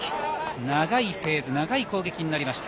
長いフェーズ長い攻撃になりました。